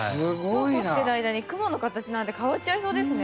そうこうしてる間に雲の形なんて変わっちゃいそうですね。